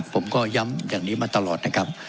ผมก็ย้ำอย่างนี้มาตลอดนะครับ